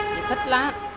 chị thích lá